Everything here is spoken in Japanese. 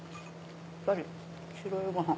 やっぱり白いご飯。